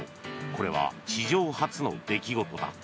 これは史上初の出来事だ。